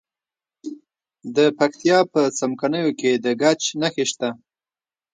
د پکتیا په څمکنیو کې د ګچ نښې شته.